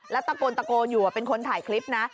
แล้วตะโกนตะโกนอยู่เป็นคนถ่ายคลิปนะ